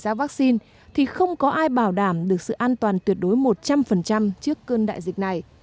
tiêm ra vaccine thì không có ai bảo đảm được sự an toàn tuyệt đối một trăm linh trước cơn đại dịch này